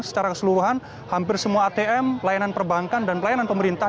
secara keseluruhan hampir semua atm layanan perbankan dan pelayanan pemerintah